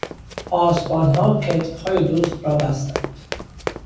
پاسبانها کتفهای دزد را بستند.